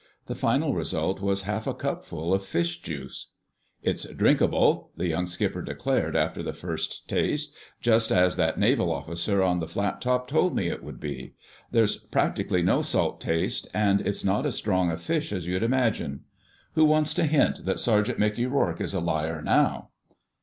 The final result was half a cupful of fish juice. "It's drinkable," the young skipper declared after the first taste, "just as that naval officer on the flat top told me it would be. There's practically no salt taste, and it's not as strong of fish as you'd imagine. Who wants to hint that Sergeant Mickey Rourke is a liar, now?"